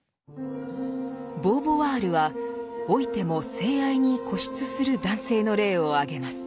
ボーヴォワールは老いても性愛に固執する男性の例を挙げます。